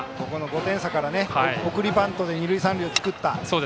５点差から送りバントで二塁三塁を作った。